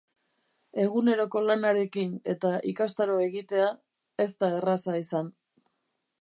Eguneroko lanarekin eta ikastaroa egitea, ez da erraza izan.